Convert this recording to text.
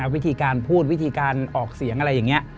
วิธีการพูดวิธีการออกเสียงอะไรอย่างนี้